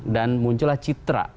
dan muncullah citra